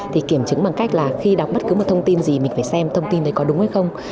thì kiểm chứng bằng cách là khi đọc bất cứ một thông tin gì mình phải xem thông tin đấy có đúng hay không